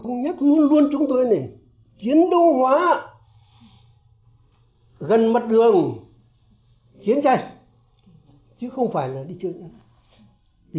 ông nhắc luôn luôn chúng tôi này chiến đấu hóa gần mặt đường chiến tranh chứ không phải là đi chơi chơi